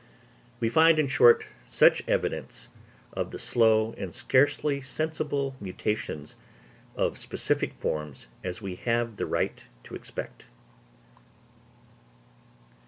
We find, in short, such evidence of the slow and scarcely sensible mutations of specific forms, as we have the right to expect.